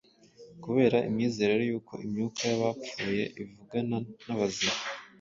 Kubera imyizerere y’uko imyuka y’abapfuye ivugana n’abazima